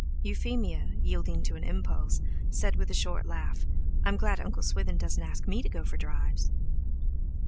Euphemia, yielding to an impulse, said with a short laugh: "I'm glad Uncle Swithin doesn't ask me to go for drives."